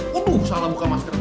waduh salah buka masker